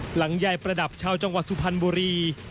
หลังยายประดับชาวจังหวัดสุพรรณบุรี